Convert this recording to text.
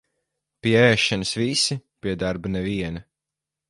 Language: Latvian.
Pie ēšanas visi, pie darba neviena.